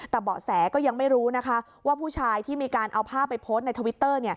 แต่เบาะแสก็ยังไม่รู้นะคะว่าผู้ชายที่มีการเอาภาพไปโพสต์ในทวิตเตอร์